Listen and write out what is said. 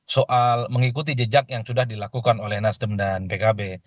soal mengikuti jejak yang sudah dilakukan oleh nasdem dan pkb